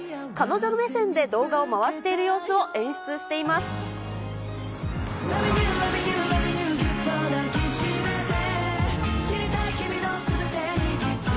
彼女目線で、動画を回している様子を演出しています。